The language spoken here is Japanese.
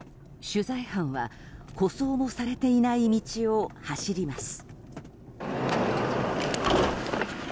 取材班は舗装もされていない道を走ります。